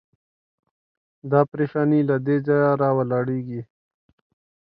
دا پرېشاني له دې ځایه راولاړېږي.